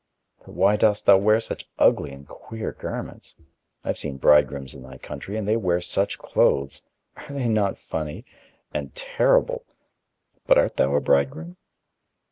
But why dost thou wear such ugly and queer garments? I have seen bridegrooms in thy country, and they wear such clothes are they not funny and terrible.... But art thou a bridegroom?"